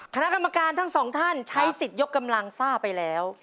คณะกรรมการทั้งสองท่านใช้สิทธิ์ยกกำลังซ่าไปแล้ว